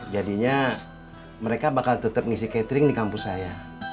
jadinya mereka bakal tetap ngisi catering di kampus saya